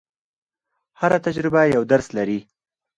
هره تجربه یو درس لري.